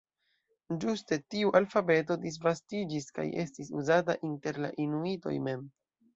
Ĝuste tiu alfabeto disvastiĝis kaj estis uzata inter la inuitoj mem.